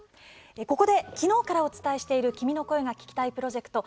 ここで、昨日からお伝えしている「君の声が聴きたい」プロジェクト。